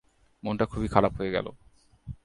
মনটা খুবই খারাপ হয়ে গেল।